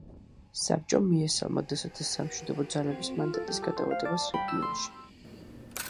საბჭომ მიესალმა დსთ-ს სამშვიდობო ძალების მანდატის გადავადებას რეგიონში.